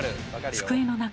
机の中